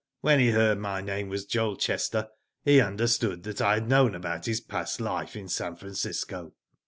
When he heard my name was Joel Chester he understood that I had known about his past life in San Francisco."